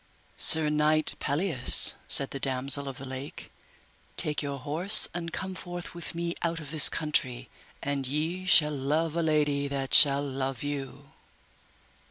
Sir knight Pelleas, said the Damosel of the Lake, take your horse and come forth with me out of this country, and ye shall love a lady that shall love you.